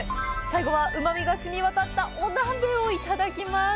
最後はうまみが染みわたったお鍋をいただきます。